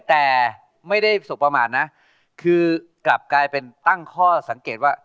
แต่ไม่ได้สบประมาทนะคือกลับกลายเป็นตั้งข้อสังเกตว่า